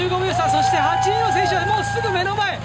そして８位の選手はもう、すぐ目の前！